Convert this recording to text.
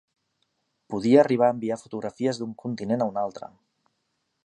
Podia arribar a enviar fotografies d'un continent a un altre.